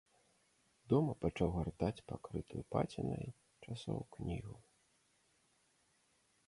Дома пачаў гартаць пакрытую пацінай часоў кнігу.